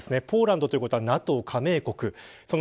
ポーランドということはＮＡＴＯ加盟国。